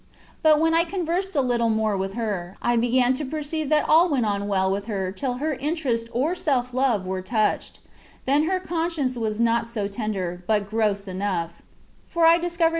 But when I conversed a Kttle more with her, I began to per ceive that all went on well with her till her interest or self love were touched ; then her conscience was not so tender, but gross enough : for I discovered